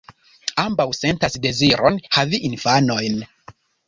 Ambaŭ sentas deziron havi infanojn.